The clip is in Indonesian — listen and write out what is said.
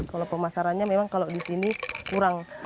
kalau pemasarannya memang kalau di sini kurang